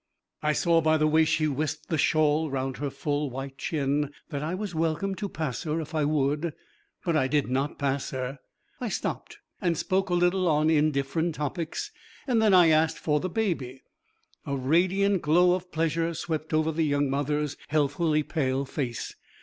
I saw by the way she wisped the shawl round her full white chin that I was welcome to pass her if I would. But I did not pass her. I stopped and spoke a little on indifferent topics, and then I asked for the baby. A radiant glow of pleasure swept over the young mother's healthily pale face.